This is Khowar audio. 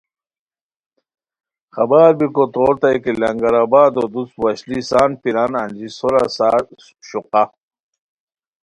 خبر بیکو تورتائے کی لنگر آبادو دوست وشلی سان پیران انجی سورا سا شوقہ